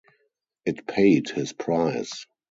It paid his price.